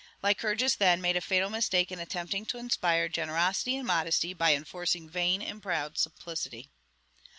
Lycurgus, then, made a fatal mistake in attempting to inspire generosity and modesty by enforcing vain and proud simplicity.